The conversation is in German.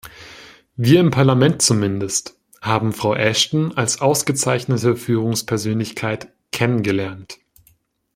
Wir im Parlament zumindest haben Frau Ashton als ausgezeichnete Führungspersönlichkeit kennengelernt.